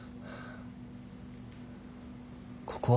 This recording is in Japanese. ここは？